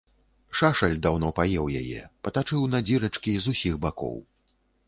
Шашаль даўно паеў яе, патачыў на дзірачкі з усіх бакоў.